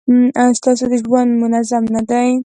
ایا ستاسو ژوند منظم نه دی؟